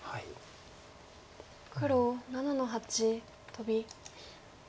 黒７の八トビ。